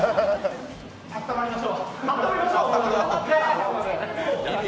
あったまりましょう。